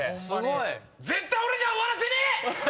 絶対俺じゃ終わらせねえ！